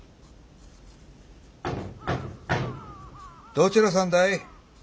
・どちらさんだい？